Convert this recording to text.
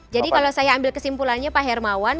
jadi kalau saya ambil kesimpulannya pak hermawan